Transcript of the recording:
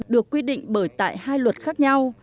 được quy định bởi tại hai luật khác nhau